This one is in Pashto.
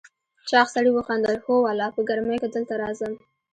چاغ سړي وخندل: هو والله، په ګرمۍ کې دلته راځم.